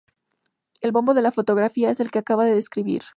El bombo de la fotografía es el que se acaba de describir.